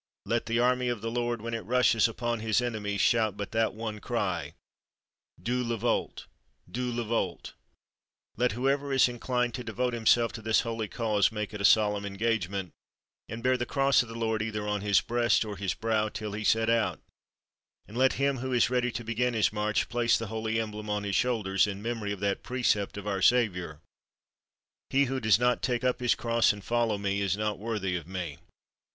Let the army of the Lord, when it rushes upon his enemies, shout but that one cry, 'Dieu le veult! Dieu le veult!' Let whoever is inclined to devote himself to this holy cause make it a solemn engagement, and bear the cross of the Lord either on his breast or his brow till he set out; and let him who is ready to begin his march place the holy emblem on his shoulders, in memory of that precept of our Saviour, 'He who does not take up his cross and follow me is not worthy of me.'"